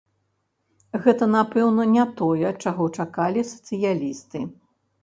Гэта, напэўна, не тое, чаго чакалі сацыялісты.